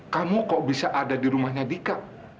kamu kok bisa ada di rumahnya dika